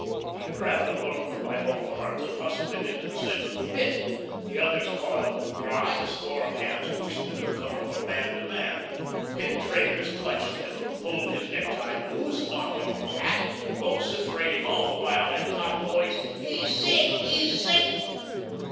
He grabbed the broker by both arms and hustled him into the centre of the Pit. The others caught up the cry, a score of hands pushed the newcomer from man to man. The Pit traders clutched him, pulled his necktie loose, knocked off his hat, vociferating all the while at top voice, "He's sick! He's sick!"